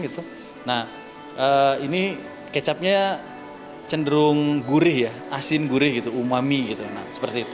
ini kecapnya cenderung gurih asin gurih umami